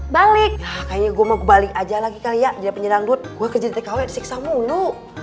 balik kayaknya gua mau balik aja lagi kali ya dia penyerang dut gue kejadian kw siksa mulu